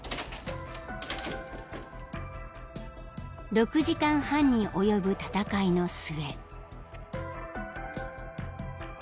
［６時間半に及ぶ闘いの末］